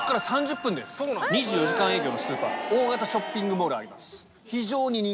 ２４時間営業のスーパー大型ショッピングモールあります。